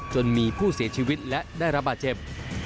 จนมีผู้เสียชีวิตและได้รับบาดเจ็บ